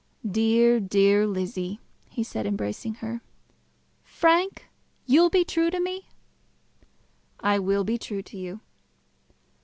"Dear, dear Lizzie," he said, embracing her. "Frank, you'll be true to me?" "I will be true to you."